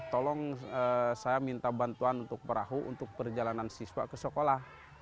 tolong saya minta bantuan untuk perahu untuk perjalanan siswa ke sekolah